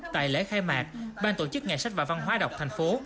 tại lễ khai mạc ban tổ chức ngày sách và văn hóa đọc thành phố